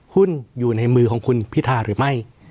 หุ้นอยู่ในมือของคุณพิธาหรือไม่